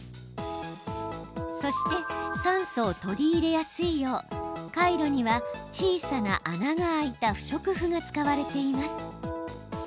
そして酸素を取り入れやすいようカイロには小さな穴が開いた不織布が使われています。